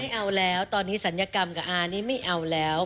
เอาแล้วตอนนี้ศัลยกรรมกับอานี่ไม่เอาแล้ว